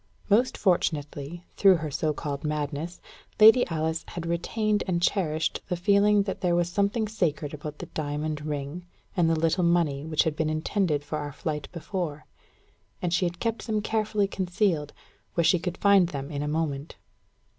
Most fortunately, through all her so called madness, Lady Alice had retained and cherished the feeling that there was something sacred about the diamond ring and the little money which had been intended for our flight before; and she had kept them carefully concealed, where she could find them in a moment.